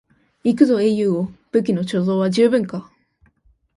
行くぞ英雄王、武器の貯蔵は十分か？